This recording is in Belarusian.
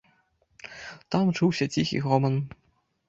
Там чуўся ціхі гоман.